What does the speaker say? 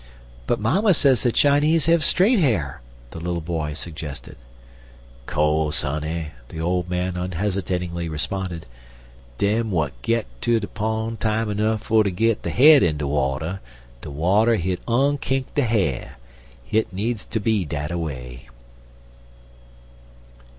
"But mamma says the Chinese have straight hair," the little boy suggested. "Co'se, honey," the old man unhesitatingly responded, "dem w'at git ter de pon' time nuff fer ter git der head in de water, de water hit onkink der ha'r. Hit bleedzd ter be dat away."